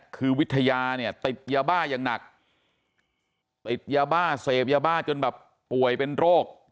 คือวิทยาเนี่ยติดยาบ้าอย่างหนักติดยาบ้าเสพยาบ้าจนแบบป่วยเป็นโรค